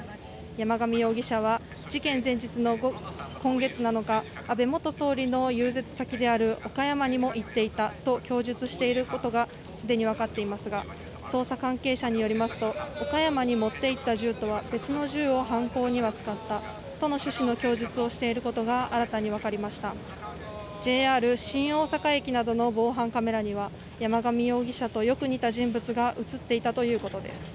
山上容疑者は事件前日の午後の今月７日安倍元総理の遊説先である和歌山にも入っていたと供述していることが既にわかっていますが捜査関係者によりますと岡山に持っていった銃とは別の中を犯行に使ったとの趣旨の供述をしていることが新たに分かりましたＪＲ新大阪駅などの防犯カメラには山上容疑者とよく似た人物が映っていたということです